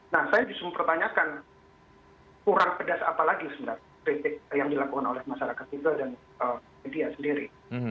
nah saya justru mempertanyakan kurang pedas apa lagi sebenarnya kritik yang dilakukan oleh masyarakat sipil dan media sendiri